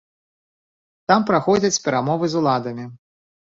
Там праходзяць перамовы з уладамі.